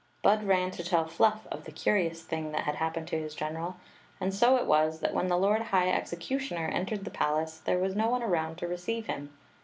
Bud ran to tell Fluff of the curious thing that had happened to his general; and so it was that when the lord high executioner entered the palace there was no one around to receive him.